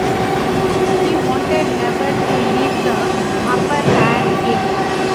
He wanted never to leave the upper air again.